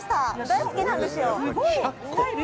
大好きなんですよ。